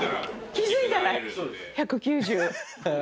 気付いたら１９０。